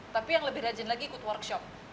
tapi yang lebih rajin lagi ikut workshop